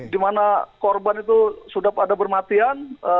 dimana korban itu sudah pada bermatian